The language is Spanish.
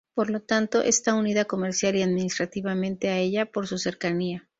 Por lo tanto, está unida comercial y administrativamente a ella por su cercanía.